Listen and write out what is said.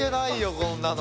こんなの。